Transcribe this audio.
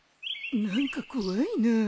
何か怖いな。